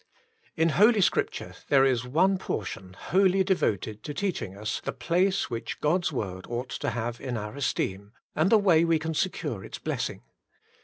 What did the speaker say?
In Holy Scripture there is one portion wholly de voted to teaching us the place which God^s Word ought to have in our esteem, and the way we can secure its blessing.